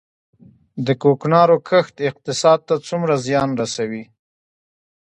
د کوکنارو کښت اقتصاد ته څومره زیان رسوي؟